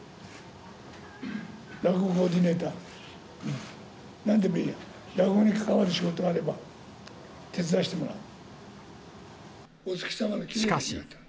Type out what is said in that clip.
落語コーディネーター、なんでもいいや、落語に関わる仕事があれば、手伝わせてもらう。